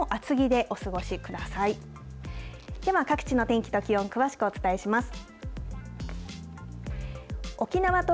では各地の天気と気温、詳しくお伝えします。